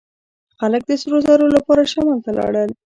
خلک د سرو زرو لپاره شمال ته لاړل.